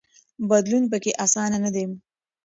بدلون پکې اسانه نه دی.